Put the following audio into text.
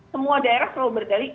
semua daerah selalu berdali